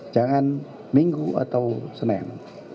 jangan minggu atau senin